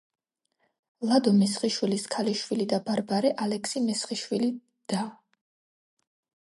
ლადო მესხიშვილის ქალიშვილი და ბარბარე ალექსი-მესხიშვილი და.